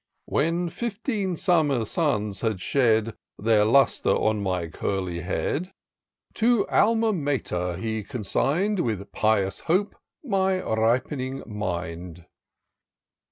When fifteen summer suns had shed Their lustre on my curly head. To Alma Mater he consigned. With pious hope, my rip'ning mind.